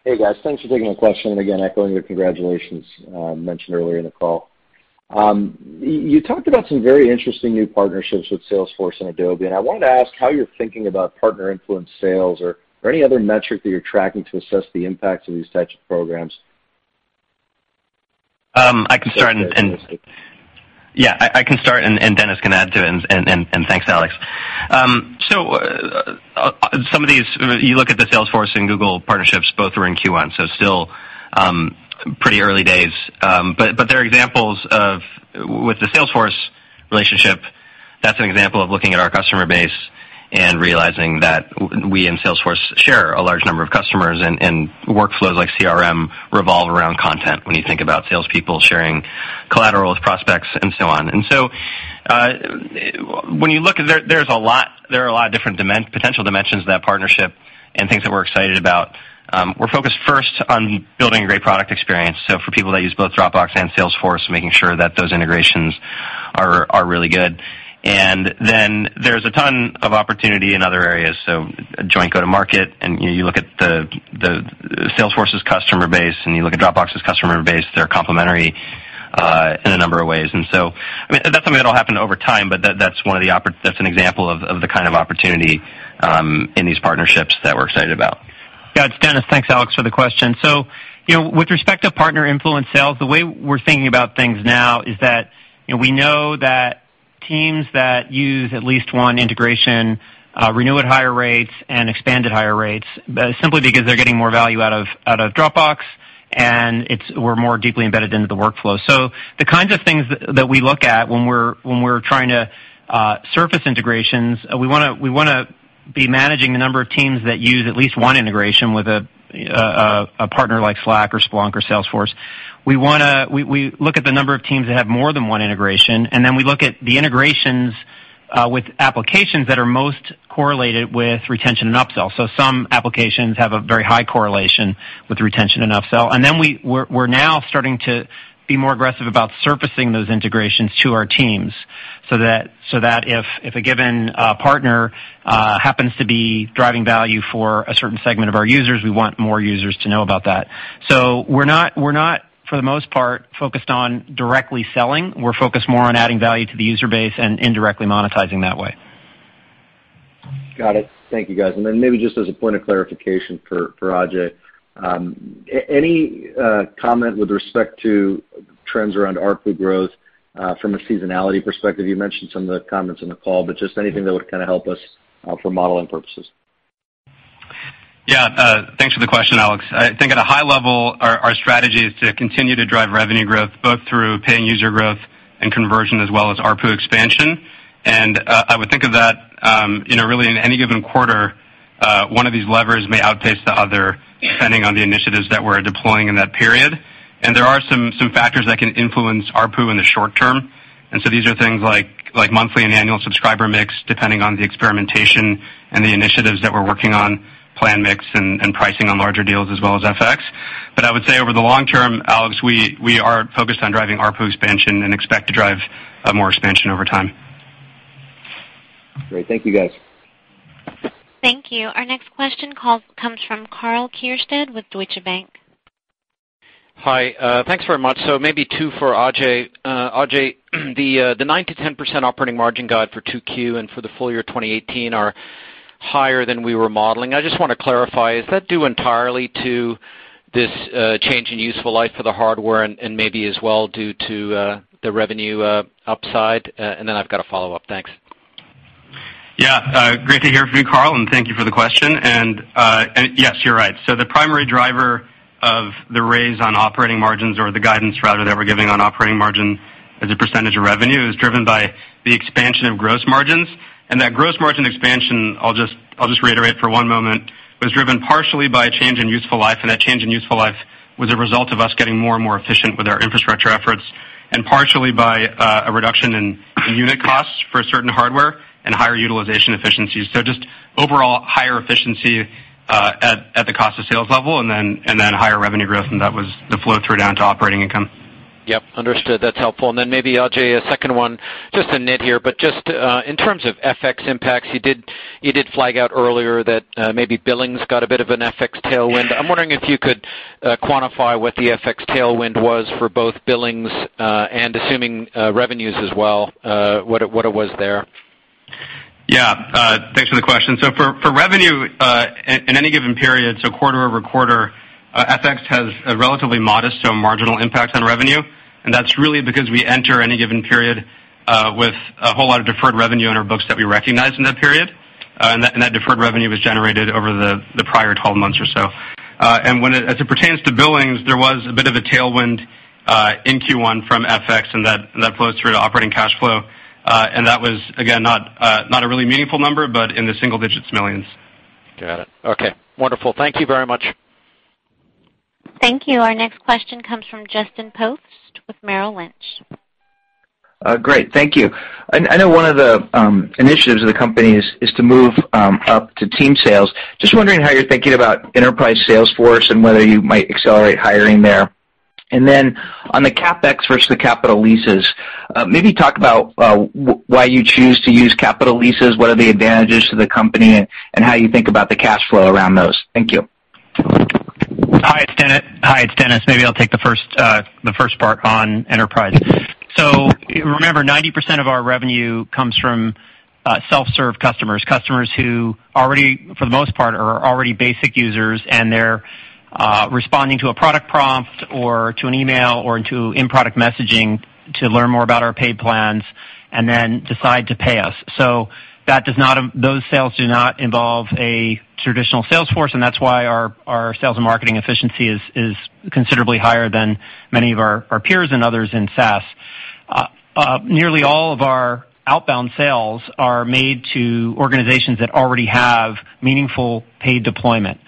Hey, guys. Thanks for taking the question. Again, echoing the congratulations mentioned earlier in the call. You talked about some very interesting new partnerships with Salesforce and Adobe, and I wanted to ask how you're thinking about partner-influenced sales or any other metric that you're tracking to assess the impact of these types of programs. I can start, and Dennis can add to it. Thanks, Alex. Some of these, you look at the Salesforce and Google partnerships, both are in Q1, still pretty early days. They're examples of, with the Salesforce relationship, that's an example of looking at our customer base and realizing that we and Salesforce share a large number of customers, and workflows like CRM revolve around content when you think about salespeople sharing collateral with prospects and so on. When you look at, there are a lot of different potential dimensions to that partnership and things that we're excited about. We're focused first on building a great product experience. For people that use both Dropbox and Salesforce, making sure that those integrations are really good. There's a ton of opportunity in other areas, a joint go-to market, and you look at the Salesforce's customer base, and you look at Dropbox's customer base, they're complementary in a number of ways. That's something that'll happen over time, but that's an example of the kind of opportunity in these partnerships that we're excited about. It's Dennis. Thanks, Alex, for the question. With respect to partner-influenced sales, the way we're thinking about things now is that we know that teams that use at least one integration renew at higher rates and expand at higher rates, simply because they're getting more value out of Dropbox, and we're more deeply embedded into the workflow. The kinds of things that we look at when we're trying to surface integrations, we want to be managing the number of teams that use at least one integration with a partner like Slack or Splunk or Salesforce. We look at the number of teams that have more than one integration, and we look at the integrations with applications that are most correlated with retention and upsell. Some applications have a very high correlation with retention and upsell. We're now starting to be more aggressive about surfacing those integrations to our teams so that if a given partner happens to be driving value for a certain segment of our users, we want more users to know about that. We're not, for the most part, focused on directly selling. We're focused more on adding value to the user base and indirectly monetizing that way. Got it. Thank you, guys. Maybe just as a point of clarification for Ajay. Any comment with respect to trends around ARPU growth from a seasonality perspective? You mentioned some of the comments in the call, but just anything that would help us for modeling purposes. Yeah. Thanks for the question, Alex. I think at a high level, our strategy is to continue to drive revenue growth both through paying user growth and conversion, as well as ARPU expansion. I would think of that, really in any given quarter, one of these levers may outpace the other, depending on the initiatives that we're deploying in that period. There are some factors that can influence ARPU in the short term. These are things like monthly and annual subscriber mix, depending on the experimentation and the initiatives that we're working on, plan mix, and pricing on larger deals as well as FX. I would say over the long term, Alex, we are focused on driving ARPU expansion and expect to drive more expansion over time. Great. Thank you guys. Thank you. Our next question comes from Karl Keirstead with Deutsche Bank. Hi. Thanks very much. Maybe two for Ajay. Ajay, the 9%-10% operating margin guide for 2Q and for the full year 2018 are higher than we were modeling. I just want to clarify, is that due entirely to this change in useful life for the hardware and maybe as well due to the revenue upside? Then I've got a follow-up. Thanks. Yeah. Great to hear from you, Karl Keirstead, and thank you for the question. Yes, you're right. The primary driver of the raise on operating margins or the guidance rather, that we're giving on operating margin as a percentage of revenue is driven by the expansion of gross margins. That gross margin expansion, I'll just reiterate for one moment, was driven partially by a change in useful life, and that change in useful life was a result of us getting more and more efficient with our infrastructure efforts, and partially by a reduction in unit costs for certain hardware and higher utilization efficiencies. Just overall higher efficiency at the cost of sales level and then higher revenue growth, and that was the flow through down to operating income. Yep. Understood. That's helpful. Maybe, Ajay Vashee, a second one, just a nit here. Just in terms of FX impacts, you did flag out earlier that maybe billings got a bit of an FX tailwind. I'm wondering if you could quantify what the FX tailwind was for both billings and assuming revenues as well, what it was there. Yeah. Thanks for the question. For revenue, in any given period, quarter-over-quarter, FX has a relatively modest, marginal impact on revenue. That's really because we enter any given period with a whole lot of deferred revenue on our books that we recognize in that period. That deferred revenue was generated over the prior 12 months or so. As it pertains to billings, there was a bit of a tailwind in Q1 from FX, and that flows through to operating cash flow. That was, again, not a really meaningful number, but in the single digits millions. Got it. Wonderful. Thank you very much. Thank you. Our next question comes from Justin Post with Merrill Lynch. Great. Thank you. I know one of the initiatives of the company is to move up to team sales. Just wondering how you're thinking about enterprise sales force and whether you might accelerate hiring there. Then on the CapEx versus the capital leases, maybe talk about why you choose to use capital leases, what are the advantages to the company, and how you think about the cash flow around those. Thank you. Hi, it's Dennis. Maybe I'll take the first part on enterprise. Remember, 90% of our revenue comes from self-serve customers. Customers who, for the most part, are already basic users, and they're responding to a product prompt or to an email or to in-product messaging to learn more about our paid plans and then decide to pay us. Those sales do not involve a traditional sales force, and that's why our sales and marketing efficiency is considerably higher than many of our peers and others in SaaS. Nearly all of our outbound sales are made to organizations that already have meaningful paid deployment.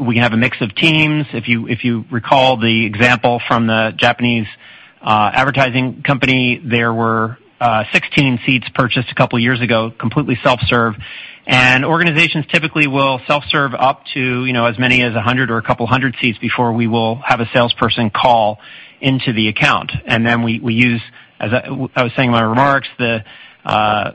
We have a mix of teams. If you recall the example from the Japanese advertising company, there were 16 seats purchased a couple of years ago, completely self-serve. Organizations typically will self-serve up to as many as 100 or a couple hundred seats before we will have a salesperson call into the account. Then we use, as I was saying in my remarks, the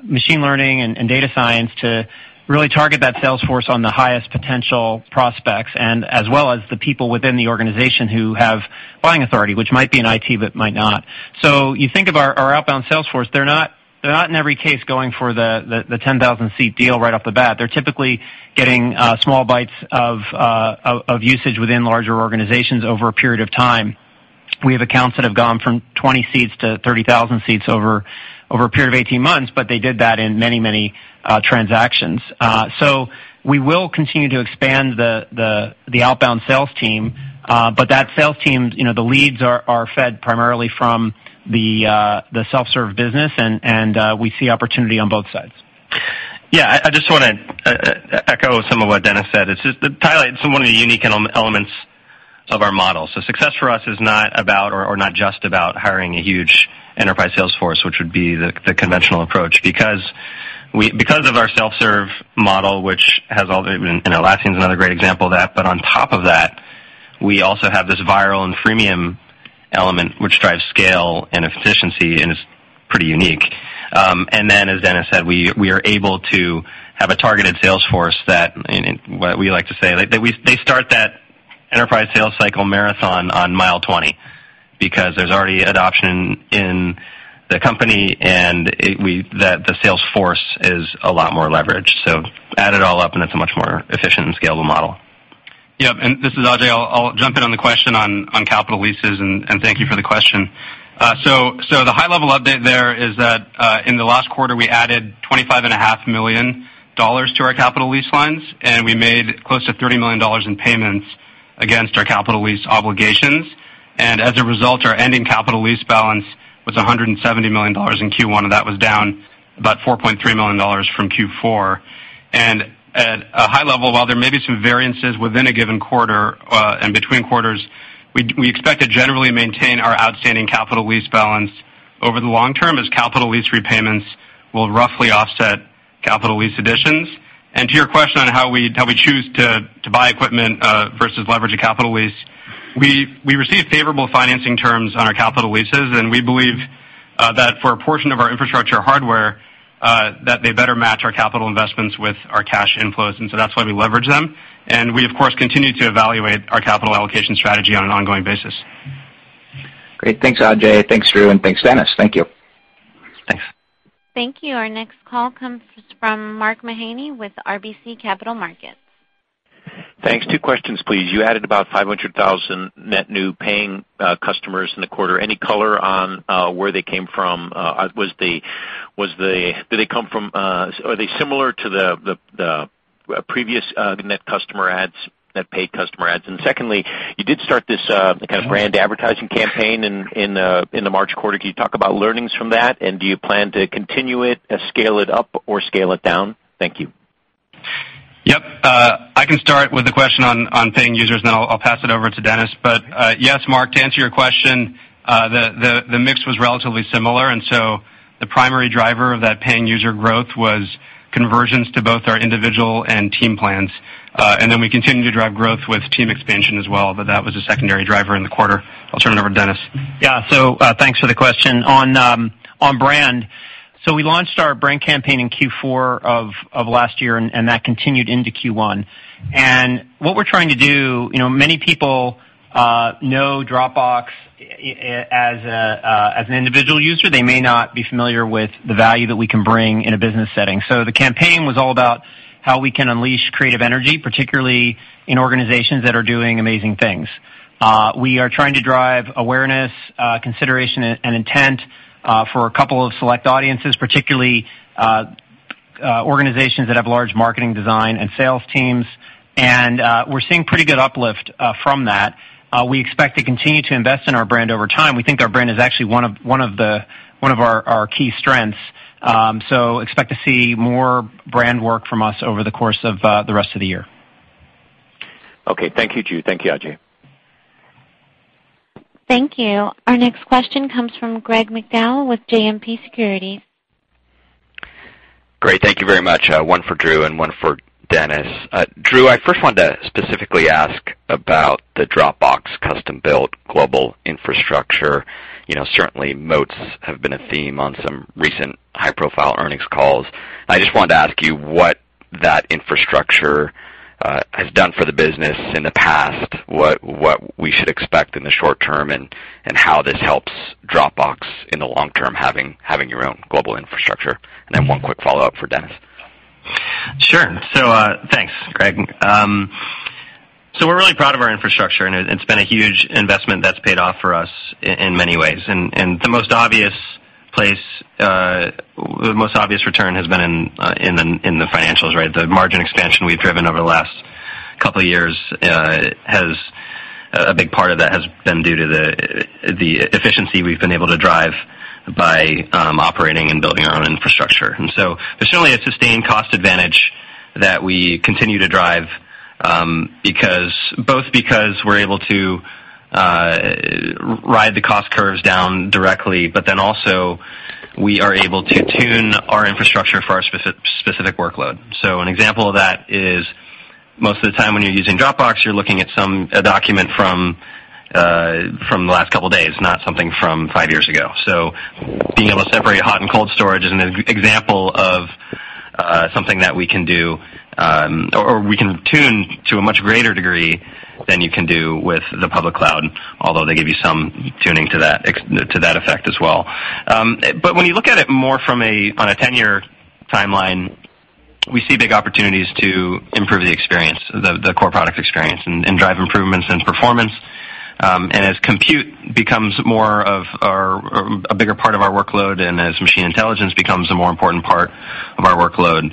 machine learning and data science to really target that sales force on the highest potential prospects, and as well as the people within the organization who have buying authority, which might be in IT, but might not. You think of our outbound sales force, they're not in every case going for the 10,000-seat deal right off the bat. They're typically getting small bites of usage within larger organizations over a period of time. We have accounts that have gone from 20 seats to 30,000 seats over a period of 18 months, but they did that in many, many transactions. We will continue to expand the outbound sales team. That sales team, the leads are fed primarily from the self-serve business, and we see opportunity on both sides. Yeah. I just want to echo some of what Dennis said. It’s one of the unique elements of our model. Success for us is not about or not just about hiring a huge enterprise sales force, which would be the conventional approach. Because of our self-serve model, which Atlassian is another great example of that. On top of that, we also have this viral and freemium element which drives scale and efficiency and is pretty unique. As Dennis said, we are able to have a targeted sales force that we like to say they start that Enterprise sales cycle marathon on mile 20, because there’s already adoption in the company and the sales force is a lot more leveraged. Add it all up and it’s a much more efficient and scalable model. Yep, this is Ajay. I’ll jump in on the question on capital leases, and thank you for the question. The high-level update there is that in the last quarter, we added $25.5 million to our capital lease lines, and we made close to $30 million in payments against our capital lease obligations. As a result, our ending capital lease balance was $170 million in Q1, and that was down about $4.3 million from Q4. At a high level, while there may be some variances within a given quarter, and between quarters, we expect to generally maintain our outstanding capital lease balance over the long term as capital lease repayments will roughly offset capital lease additions. To your question on how we choose to buy equipment, versus leverage a capital lease, we receive favorable financing terms on our capital leases, and we believe that for a portion of our infrastructure hardware, that they better match our capital investments with our cash inflows. So that's why we leverage them. We, of course, continue to evaluate our capital allocation strategy on an ongoing basis. Great. Thanks, Ajay. Thanks, Drew, and thanks, Dennis. Thank you. Thanks. Thank you. Our next call comes from Mark Mahaney with RBC Capital Markets. Thanks. Two questions, please. You added about 500,000 net new paying customers in the quarter. Any color on where they came from? Are they similar to the previous net paid customer adds? Secondly, you did start this kind of brand advertising campaign in the March quarter. Can you talk about learnings from that? Do you plan to continue it, scale it up, or scale it down? Thank you. Yep. I can start with the question on paying users. I'll pass it over to Dennis. Yes, Mark, to answer your question, the mix was relatively similar. The primary driver of that paying user growth was conversions to both our individual and team plans. We continued to drive growth with team expansion as well, but that was a secondary driver in the quarter. I'll turn it over to Dennis. Yeah. Thanks for the question. On brand, we launched our brand campaign in Q4 of last year, and that continued into Q1. What we're trying to do, many people know Dropbox as an individual user. They may not be familiar with the value that we can bring in a business setting. The campaign was all about how we can unleash creative energy, particularly in organizations that are doing amazing things. We are trying to drive awareness, consideration, and intent, for a couple of select audiences, particularly organizations that have large marketing design and sales teams. We're seeing pretty good uplift from that. We expect to continue to invest in our brand over time. We think our brand is actually one of our key strengths. Expect to see more brand work from us over the course of the rest of the year. Okay. Thank you, Drew. Thank you, Ajay. Thank you. Our next question comes from Greg McDowell with JMP Securities. Great. Thank you very much. One for Drew and one for Dennis. Drew, I first wanted to specifically ask about the Dropbox custom-built global infrastructure. Certainly, moats have been a theme on some recent high-profile earnings calls. I just wanted to ask you what that infrastructure has done for the business in the past, what we should expect in the short term, and how this helps Dropbox in the long term, having your own global infrastructure. One quick follow-up for Dennis. Sure. Thanks, Greg. We're really proud of our infrastructure, and it's been a huge investment that's paid off for us in many ways. The most obvious return has been in the financials, right? The margin expansion we've driven over the last couple of years, a big part of that has been due to the efficiency we've been able to drive by operating and building our own infrastructure. There's certainly a sustained cost advantage that we continue to drive, both because we're able to ride the cost curves down directly, but also we are able to tune our infrastructure for our specific workload. An example of that is most of the time when you're using Dropbox, you're looking at a document from the last couple of days, not something from five years ago. Being able to separate hot and cold storage is an example of something that we can do, or we can tune to a much greater degree than you can do with the public cloud, although they give you some tuning to that effect as well. When you look at it more on a 10-year timeline, we see big opportunities to improve the experience, the core product experience, and drive improvements in performance. As compute becomes a bigger part of our workload and as machine intelligence becomes a more important part of our workload,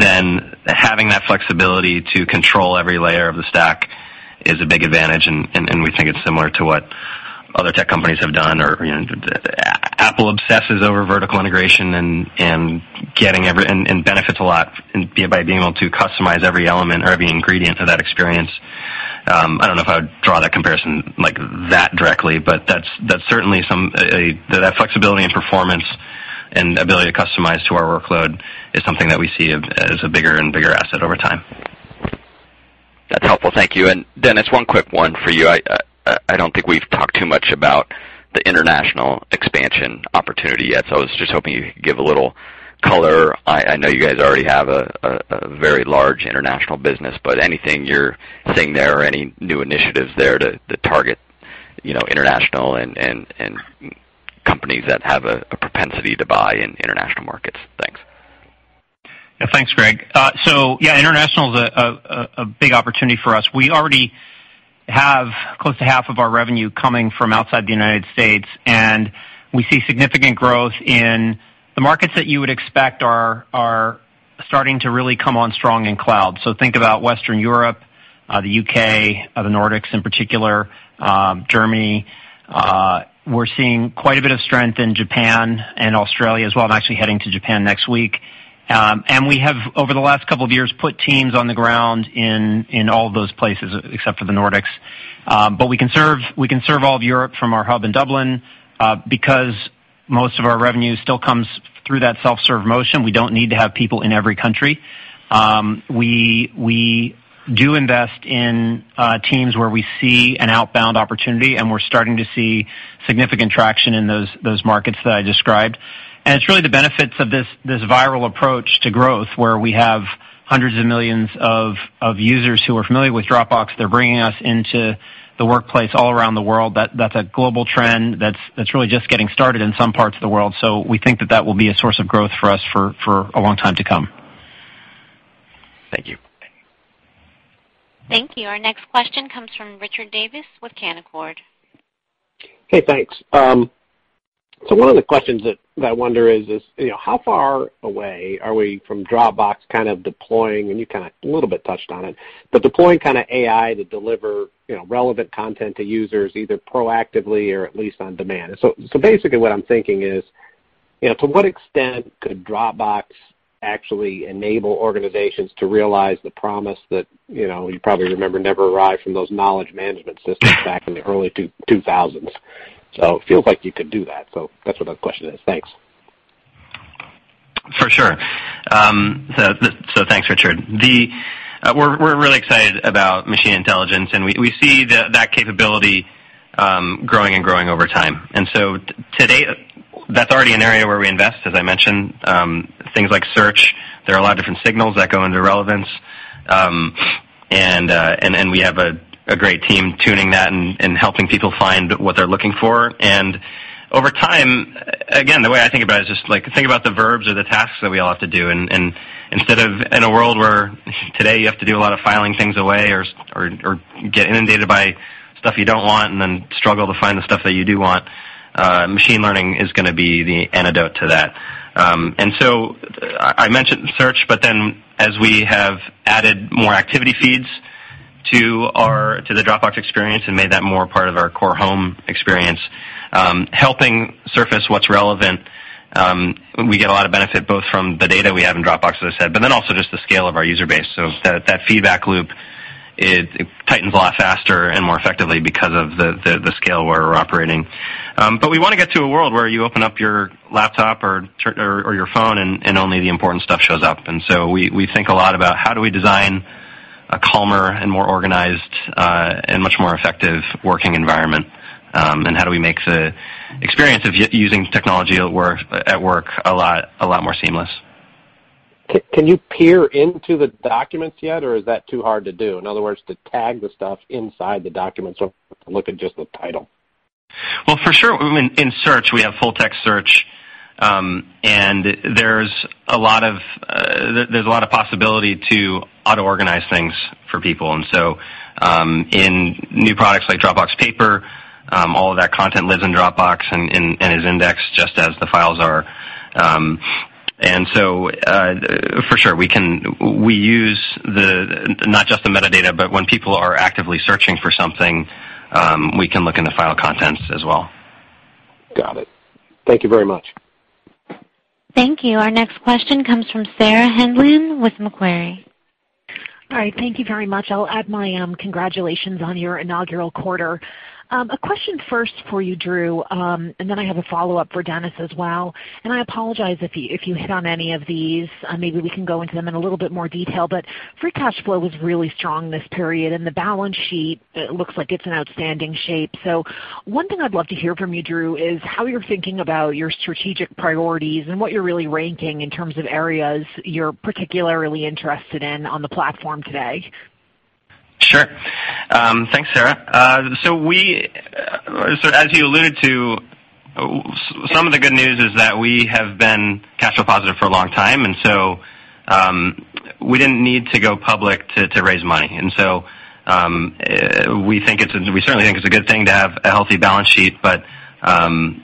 having that flexibility to control every layer of the stack is a big advantage, and we think it's similar to what other tech companies have done, or Apple obsesses over vertical integration and benefits a lot by being able to customize every element or every ingredient of that experience. I don't know if I would draw that comparison like that directly, that flexibility and performance and ability to customize to our workload is something that we see as a bigger and bigger asset over time. That's helpful. Thank you. Dennis, one quick one for you. I don't think we've talked too much about the international expansion opportunity yet. I was just hoping you could give a little color. I know you guys already have a very large international business, but anything you're seeing there or any new initiatives there to target international and companies that have a propensity to buy in international markets? Thanks. Yeah. Thanks, Greg. International is a big opportunity for us. We already have close to half of our revenue coming from outside the U.S., and we see significant growth in the markets that you would expect are starting to really come on strong in cloud. Think about Western Europe, the U.K., the Nordics in particular, Germany. We're seeing quite a bit of strength in Japan and Australia as well. I'm actually heading to Japan next week. We have, over the last couple of years, put teams on the ground in all of those places except for the Nordics. We can serve all of Europe from our hub in Dublin because most of our revenue still comes through that self-serve motion. We don't need to have people in every country. We do invest in teams where we see an outbound opportunity, we're starting to see significant traction in those markets that I described. It's really the benefits of this viral approach to growth, where we have hundreds of millions of users who are familiar with Dropbox. They're bringing us into the workplace all around the world. That's a global trend that's really just getting started in some parts of the world. We think that that will be a source of growth for us for a long time to come. Thank you. Thank you. Our next question comes from Richard Davis with Canaccord. Hey, thanks. One of the questions that I wonder is how far away are we from Dropbox kind of deploying, and you kind of a little bit touched on it, but deploying kind of AI to deliver relevant content to users, either proactively or at least on demand? Basically what I'm thinking is, to what extent could Dropbox actually enable organizations to realize the promise that you probably remember never arrived from those knowledge management systems back in the early 2000s. It feels like you could do that. That's what the question is. Thanks. For sure. Thanks, Richard. We're really excited about machine intelligence, and we see that capability growing and growing over time. Today, that's already an area where we invest, as I mentioned, things like search. There are a lot of different signals that go into relevance. We have a great team tuning that and helping people find what they're looking for. Over time, again, the way I think about it is just like, think about the verbs or the tasks that we all have to do. Instead of in a world where today you have to do a lot of filing things away or get inundated by stuff you don't want and then struggle to find the stuff that you do want, machine learning is going to be the antidote to that. I mentioned search, but then as we have added more activity feeds to the Dropbox experience and made that more a part of our core home experience, helping surface what's relevant, we get a lot of benefit both from the data we have in Dropbox, as I said, but then also just the scale of our user base. That feedback loop, it tightens a lot faster and more effectively because of the scale where we're operating. We want to get to a world where you open up your laptop or your phone and only the important stuff shows up. We think a lot about how do we design a calmer and more organized, and much more effective working environment? How do we make the experience of using technology at work a lot more seamless? Can you peer into the documents yet, or is that too hard to do? In other words, to tag the stuff inside the documents or look at just the title? Well, for sure in search, we have full-text search, and there's a lot of possibility to auto-organize things for people. In new products like Dropbox Paper, all of that content lives in Dropbox and is indexed just as the files are. For sure, we use not just the metadata, but when people are actively searching for something, we can look in the file contents as well. Got it. Thank you very much. Thank you. Our next question comes from Sarah Hindlian-Bowler with Macquarie. Thank you very much. I'll add my congratulations on your inaugural quarter. A question first for you, Drew, then I have a follow-up for Dennis as well. I apologize if you hit on any of these. Maybe we can go into them in a little bit more detail, free cash flow was really strong this period, and the balance sheet looks like it's in outstanding shape. One thing I'd love to hear from you, Drew, is how you're thinking about your strategic priorities and what you're really ranking in terms of areas you're particularly interested in on the platform today. Sure. Thanks, Sarah. As you alluded to, some of the good news is that we have been cash flow positive for a long time, we didn't need to go public to raise money. We certainly think it's a good thing to have a healthy balance sheet, we can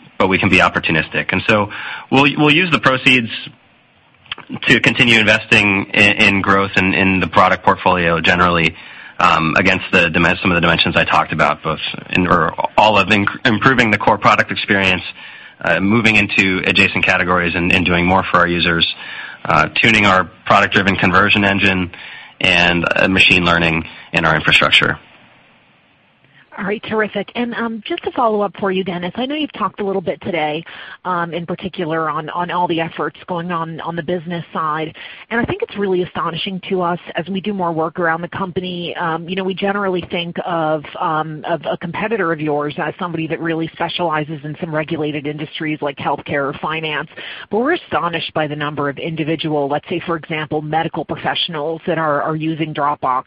be opportunistic. We'll use the proceeds to continue investing in growth in the product portfolio generally, against some of the dimensions I talked about, both in all of improving the core product experience, moving into adjacent categories and doing more for our users, tuning our product-driven conversion engine and machine learning in our infrastructure. Terrific. Just a follow-up for you, Dennis. I know you've talked a little bit today, in particular on all the efforts going on the business side, I think it's really astonishing to us as we do more work around the company. We generally think of a competitor of yours as somebody that really specializes in some regulated industries like healthcare or finance. We're astonished by the number of individual, let's say, for example, medical professionals that are using Dropbox.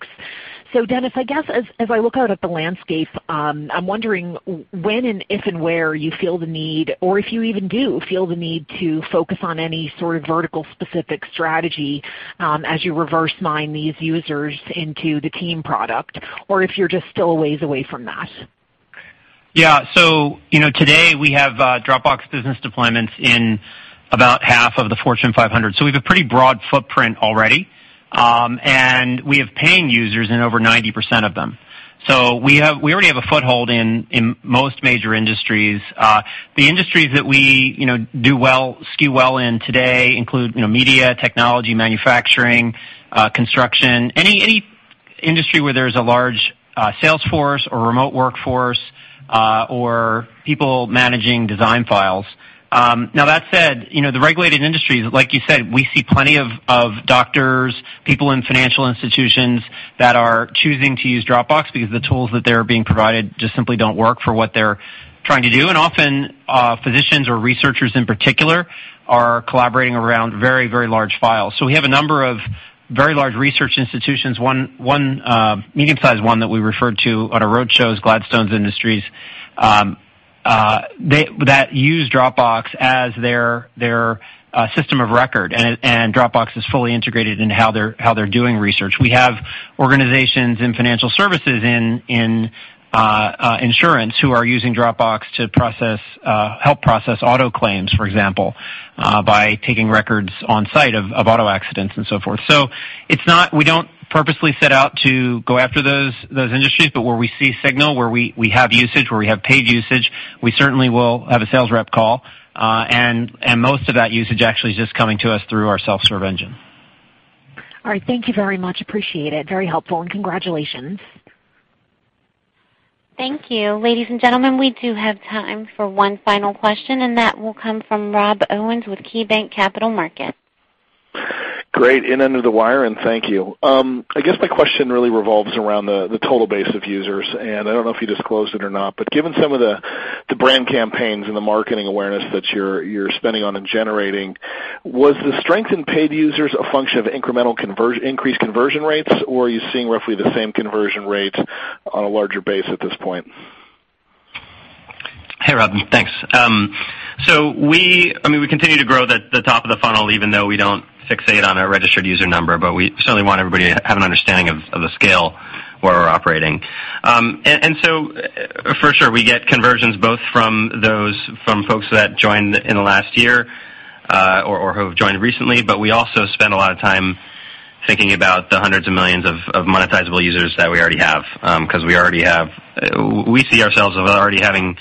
Dennis, I guess, as I look out at the landscape, I'm wondering when and if and where you feel the need, or if you even do feel the need to focus on any sort of vertical specific strategy, as you reverse mine these users into the team product, or if you're just still a ways away from that. Yeah. Today we have Dropbox Business deployments in about half of the Fortune 500. We have a pretty broad footprint already, and we have paying users in over 90% of them. We already have a foothold in most major industries. The industries that we do well, skew well in today include media, technology, manufacturing, construction, any industry where there's a large sales force or remote workforce, or people managing design files. That said, the regulated industries, like you said, we see plenty of doctors, people in financial institutions that are choosing to use Dropbox because the tools that they're being provided just simply don't work for what they're trying to do. Often, physicians or researchers in particular are collaborating around very large files. We have a number of very large research institutions, one medium-sized one that we referred to on our road shows, Gladstone Institutes, that use Dropbox as their system of record, and Dropbox is fully integrated in how they're doing research. We have organizations in financial services, in insurance who are using Dropbox to help process auto claims, for example, by taking records on site of auto accidents and so forth. We don't purposely set out to go after those industries, but where we see signal, where we have usage, where we have paid usage, we certainly will have a sales rep call. Most of that usage actually is just coming to us through our self-serve engine. All right. Thank you very much. Appreciate it. Very helpful, congratulations. Thank you. Ladies and gentlemen, we do have time for one final question. That will come from Rob Owens with KeyBanc Capital Markets. Great. In under the wire, thank you. I guess my question really revolves around the total base of users. I don't know if you disclosed it or not, given some of the brand campaigns and the marketing awareness that you're spending on and generating, was the strength in paid users a function of increased conversion rates, or are you seeing roughly the same conversion rates on a larger base at this point? Hey, Rob. Thanks. We continue to grow the top of the funnel even though we don't fixate on our registered user number. We certainly want everybody to have an understanding of the scale where we're operating. For sure, we get conversions both from folks that joined in the last year, or who have joined recently. We also spend a lot of time thinking about the hundreds of millions of monetizable users that we already have, because we see ourselves as already having reached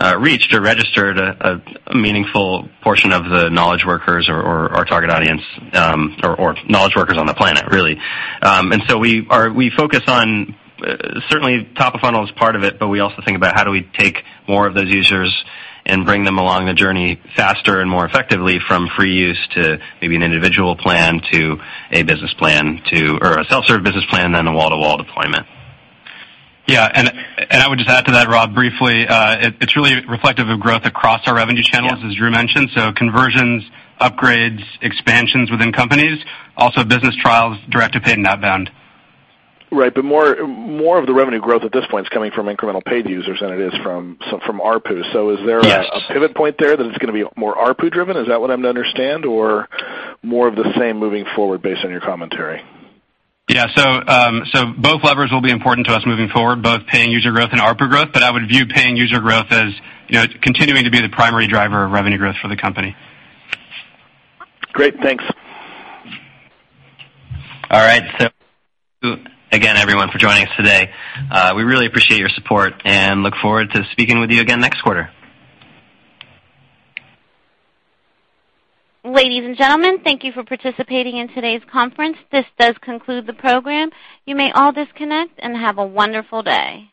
or registered a meaningful portion of the knowledge workers or our target audience, or knowledge workers on the planet, really. We focus on, certainly top of funnel is part of it. We also think about how do we take more of those users and bring them along the journey faster and more effectively from free use to maybe an individual plan to a business plan or a self-serve business plan, and then a wall-to-wall deployment. Yeah. I would just add to that, Rob, briefly. It's really reflective of growth across our revenue channels, as Drew mentioned. Conversions, upgrades, expansions within companies, also business trials, direct to paid and outbound. Right. More of the revenue growth at this point is coming from incremental paid users than it is from ARPU. Yes a pivot point there that it's going to be more ARPU driven? Is that what I'm to understand? Or more of the same moving forward based on your commentary? Yeah. Both levers will be important to us moving forward, both paying user growth and ARPU growth. I would view paying user growth as continuing to be the primary driver of revenue growth for the company. Great. Thanks. All right. Thank you again, everyone, for joining us today. We really appreciate your support and look forward to speaking with you again next quarter. Ladies and gentlemen, thank you for participating in today's conference. This does conclude the program. You may all disconnect and have a wonderful day.